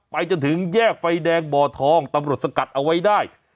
จนถึงแยกไฟแดงบ่อทองตำรวจสกัดเอาไว้ได้